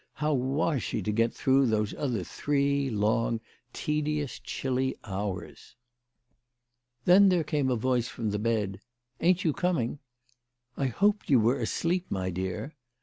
How was she to get through those other three long, tedious, chilly hours ? Then there came a voice from the bed " Ain't you coming?" " I hoped you were asleep, my dear."